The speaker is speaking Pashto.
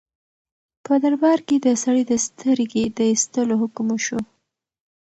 په دربار کې د سړي د سترګې د ایستلو حکم وشو.